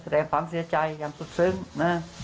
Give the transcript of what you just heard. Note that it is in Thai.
แหลงฟังเสียใจยังสุดซึ้งนะ